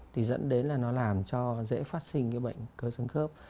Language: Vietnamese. thì dẫn đến là nó làm cho dễ phát sinh cái bệnh cơ xương khớp